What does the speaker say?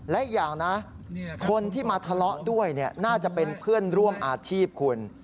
และอีกอย่างนะคนที่มาทะเลาะด้วยน่าจะเป็นเพื่อนร่วมอาชีพคุณ